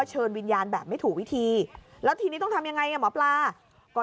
เชิญวิญญาณแบบไม่ถูกวิธีแล้วทีนี้ต้องทำยังไงอ่ะหมอปลาก็